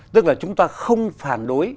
tức là chúng ta không phản đối